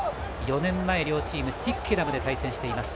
４年前、両チームトゥイッケナムで対戦しています。